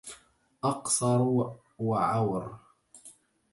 أقصر وعور